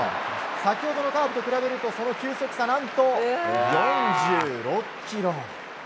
先ほどのカーブと比べるとその球速差、何と４６キロ。